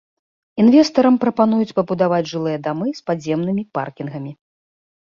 Інвестарам прапануюць пабудаваць жылыя дамы з падземнымі паркінгамі.